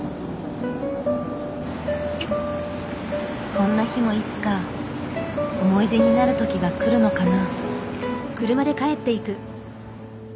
こんな日もいつか思い出になる時が来るのかな？